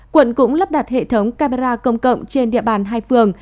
quận cũng lắp đặt hệ thống camera công cộng trên địa bàn hai phường